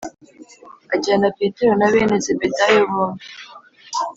Ajyana Petero na bene Zebedayo bombi